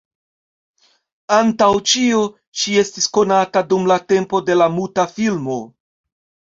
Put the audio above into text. Antaŭ ĉio ŝi estis konata dum la tempo de la muta filmo.